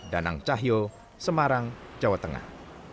danang cahyo semarang jawa tengah